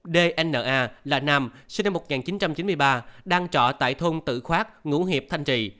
dna là nam sinh năm một nghìn chín trăm chín mươi ba đang trọ tại thôn tự khoác ngũ hiệp thanh trì